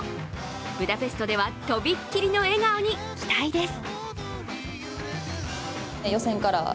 ブダペストではとびっきりの笑顔に期待です。